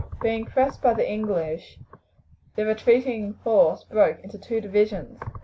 Being pressed by the English, the retreating force broke into two divisions.